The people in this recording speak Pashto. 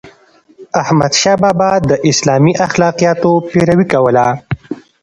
احمدشاه بابا د اسلامي اخلاقياتو پیروي کوله.